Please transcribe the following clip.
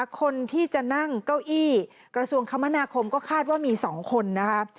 คนที่จะนั่งเก้าอี้กระทรวงคมนาคมก็คาดว่ามี๒คนนะคะ